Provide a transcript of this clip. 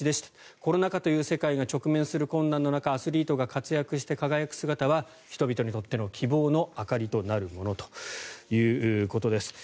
コロナ禍という世界が直面する困難の中アスリートが活躍して輝く姿は人々にとっての希望の明かりとなるものということです。